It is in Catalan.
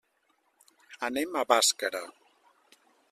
Anem a Bàscara.